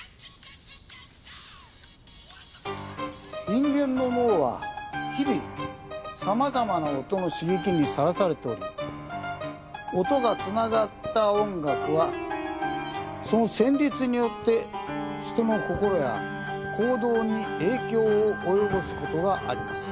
人間の脳は日々様々な音の刺激にさらされており音がつながった音楽はその旋律によって人の心や行動に影響を及ぼすことがあります。